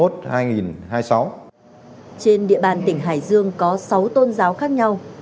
trên địa bàn tỉnh hải dương có sáu tôn giáo khác nhau